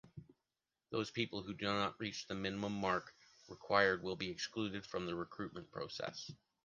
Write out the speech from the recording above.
Those people who do not reach the minimum mark required will be excluded from the recruitment process.